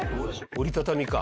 折りたたみか。